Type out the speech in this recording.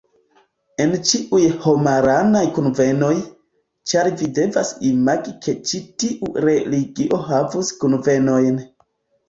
En ĉiuj homaranaj kunvenoj, ĉar vi devas imagi ke ĉi tiu religio havus kunvenojn